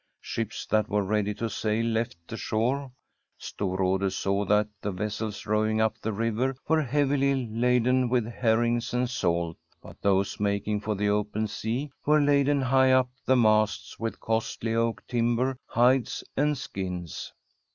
Ships that were ready to sail left the shore. Storrade saw that the vessels rowing up the river were heavily laden with herrings and salt, but those making for the open sea were laden high up the masts with costly oak timber, hides, and skins.